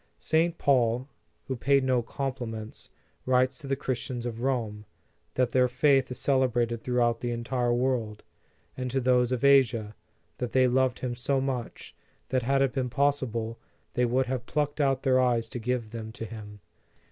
St. Paul, who paid no compliments, writes to the Christians of Rome, that their faith is cel ebrated throughout the entire world; and to those of Asia, that they loved him so much, that had it been possible, they would have plucked out their eyes to give them to him.